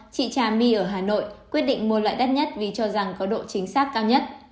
chị trà my ở hà nội quyết định mua loại đất nhất vì cho rằng có độ chính xác cao nhất